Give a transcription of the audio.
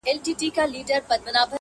د مچانو او ډېوې یې سره څه-